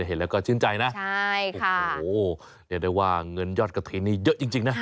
เห็นแล้วก็ชื่นใจนะโอ้โหเรียกได้ว่าเงินยอดกระถิ่นนี้เยอะจริงนะ